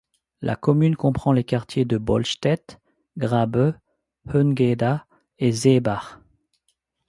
La commune comprend les quartiers de Bollstedt, Grabe, Höngeda et Seebach.